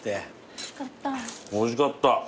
おいしかった。